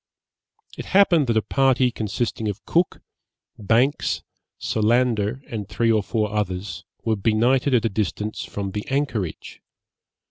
It happened that a party, consisting of Cook, Banks, Solander, and three or four others, were benighted at a distance from the anchorage.